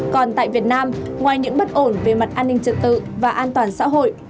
còn tại việt nam ngoài những bất ổn về mặt an ninh trật tự và an toàn xã hội